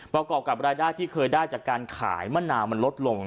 ประกอบกับรายได้ที่เคยได้จากการขายมะนาวมันลดลง